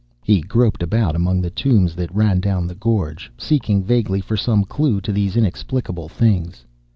He groped about among the tombs that ran down the gorge, seeking vaguely for some clue to these inexplicable things.